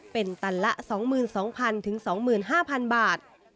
เป็นตันละ๒๒๐๐๐๒๕๐๐๐บาท